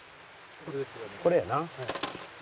これやな。